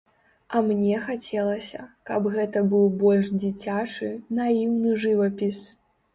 А мне хацелася, каб гэта быў больш дзіцячы, наіўны жывапіс.